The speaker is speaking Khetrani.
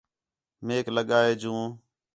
میک لڳا ہے جوں